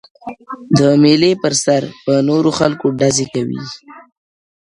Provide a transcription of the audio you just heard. د مېلې پر سر په نورو خلکو ډزې کوي